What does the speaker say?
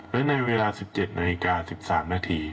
และในเวลา๑๗นาฬิกา๑๓นาที